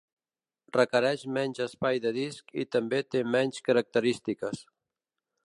Requereix menys espai de disc i també té menys característiques.